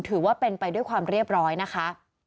ถือว่าเป็นไปด้วยความเรียบร้อยนะคะ